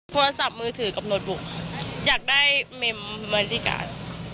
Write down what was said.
โทรศัพท์มือถือกับโน้ตบุ๊กอยากได้เมมเมอร์ดีการ